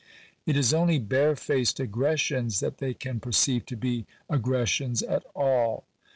It is only barefaced aggressions that they can perceive to be aggressions at all.